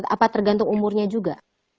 apa tergantung umurnya juga